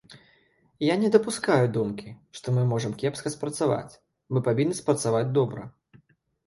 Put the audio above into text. Я не дапускаю думкі, што мы можам кепска спрацаваць, мы павінны спрацаваць добра.